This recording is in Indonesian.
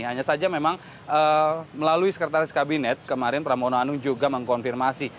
hanya saja memang melalui sekretaris kabinet kemarin pramono anung juga mengkonfirmasi